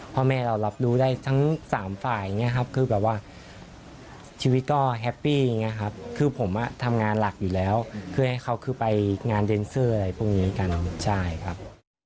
พ่อแม่เรารับรู้ได้ทั้งสามฝ่ายอย่างนี้ครับคือแบบว่าชีวิตก็แฮปปี้อย่างนี้ครับคือผมทำงานหลักอยู่แล้วเพื่อให้เขาคือไปงานเดนเซอร์อะไรพวกนี้กันใช่ครับ